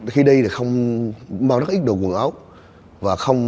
khi đây thì không bao đất ít đồ quần áo